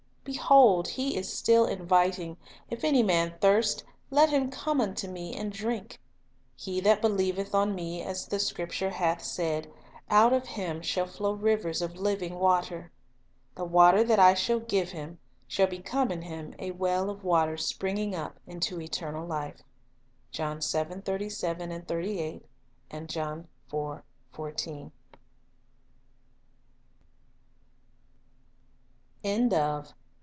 Behold, He is still inviting: "If any man thirst, let him come unto Me, and drink. He that believeth on Me, as the Scripture hath said," out of him "shall flow rivers of living water." "The water that I shall give him shall become in him a well of water springing up unto eternal life."" 1 Rev. 1 : 17, R. V.; 21 : 6, R. V. John 7 : 57. 38; 4 : 14, R.